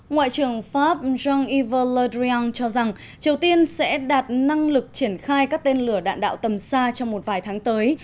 ngoại trưởng pháp jean yves le drian cho rằng triều tiên sẽ đạt năng lực triển khai các tên lửa đạn đạo tầm xa trong một vài tháng tới